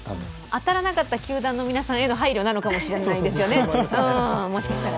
当たらなかった球団の皆さんへの配慮かもしれないですよね。